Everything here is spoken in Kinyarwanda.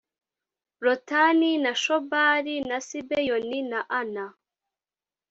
lotani na shobali na sibeyoni na ana